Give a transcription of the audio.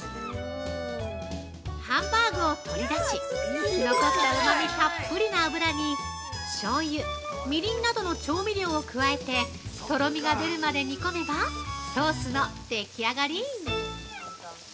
◆ハンバーグを取り出し、残ったうまみたっぷりの油に、しょうゆ、みりんなどの調味料を加えてとろみが出るまで煮込めばソースの出来上がり！